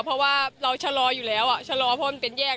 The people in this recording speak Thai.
เพราะว่าเราชะลออยู่แล้วชะลอเพราะมันเป็นแยก